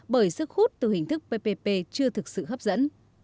bởi sức hút từ hình thức ppp chưa thực sự hấp dẫn